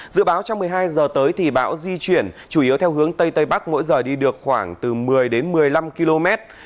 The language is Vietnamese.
dự báo trong một mươi hai h tới thì bão di chuyển chủ yếu theo hướng tây tây bắc mỗi giờ đi được khoảng từ một mươi đến một mươi năm km